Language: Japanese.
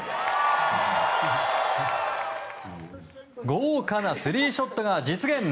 豪華なスリーショットが実現。